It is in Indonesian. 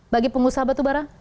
bagi pengusaha batubara